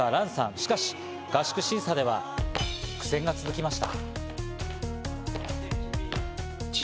しかし合宿審査では苦戦が続きました。